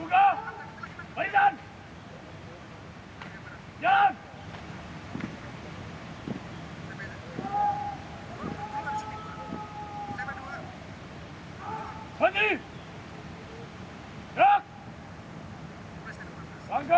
terima kasih bapak